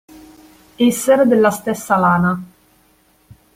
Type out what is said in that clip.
Essere della stessa lana.